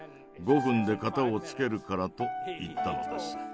５分で片をつけるから」と言ったのです。